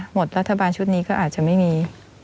รัฐบาลชุดนี้ก็อาจจะไม่มี